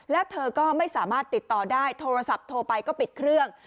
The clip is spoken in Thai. แล้วเธอก็ไม่สามารถติดต่อได้โทรศัพท์โทรไปก็ปิดเครื่อง